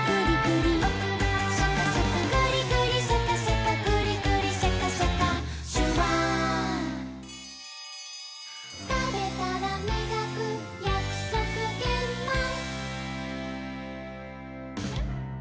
「グリグリシャカシャカグリグリシャカシャカ」「シュワー」「たべたらみがくやくそくげんまん」